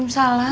masa depan aku